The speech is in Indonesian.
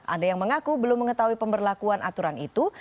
ada yang mengaku belum mengetahui pemberlakuan aturan itu